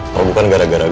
kalau bukan gara gara gue